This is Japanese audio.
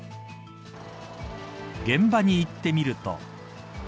現場に行ってみると。